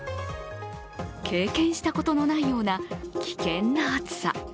経験したことのないような危険な暑さ。